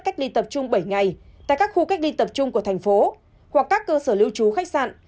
cách ly tập trung bảy ngày tại các khu cách ly tập trung của thành phố hoặc các cơ sở lưu trú khách sạn